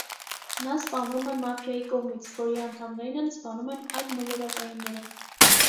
Նա սպանվում է մաֆիայի կողմից, որի անդամներին էլ սպանում են այլմոլորակայինները։